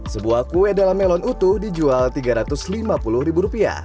sebuah kue dalam melon utuh dijual rp tiga ratus lima puluh